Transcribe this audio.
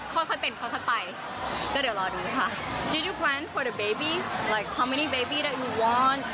เขาก็บอกว่าเดี๋ยวรอทีมีเมื่อไรไง